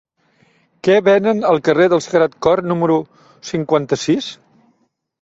Què venen al carrer del Sagrat Cor número cinquanta-sis?